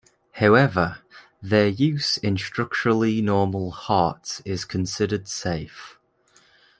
However, their use in structurally normal hearts is considered safe.